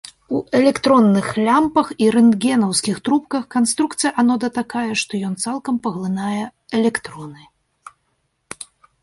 У электронных лямпах і рэнтгенаўскіх трубках канструкцыя анода такая, што ён цалкам паглынае электроны.